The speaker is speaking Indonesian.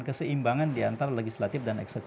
keseimbangan diantara legislatif dan eksekutif